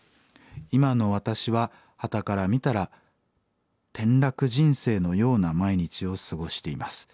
今の私ははたから見たら転落人生のような毎日を過ごしています。